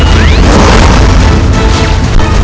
kau akan menang